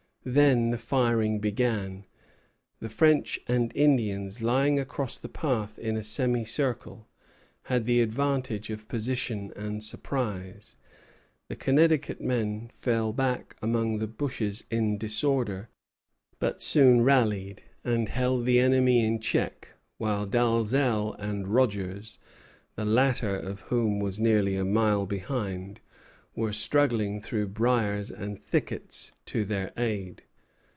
Then the firing began. The French and Indians, lying across the path in a semicircle, had the advantage of position and surprise. The Connecticut men fell back among the bushes in disorder; but soon rallied, and held the enemy in check while Dalzell and Rogers the latter of whom was nearly a mile behind were struggling through briers and thickets to their aid.